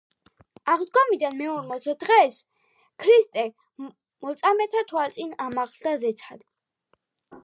აღდგომიდან მეორმოცე დღეს ქრისტე მოწაფეთა თვალწინ ამაღლდა ზეცად.